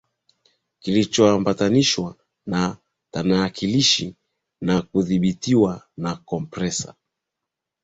kilichoambatanishwa na tanakilishi na kudhibitiwa na kompresa